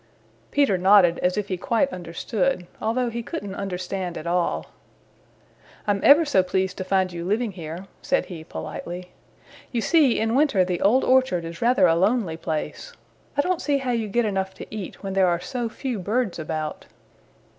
Peter nodded as if he quite understood, although he couldn't understand at all. "I'm ever so pleased to find you living here," said he politely. "You see, in winter the Old Orchard is rather a lonely place. I don't see how you get enough to eat when there are so few birds about."